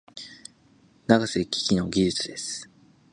永瀬貴規の技術です。